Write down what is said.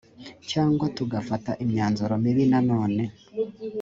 cyangwa tugafata imyanzuro mibi nanone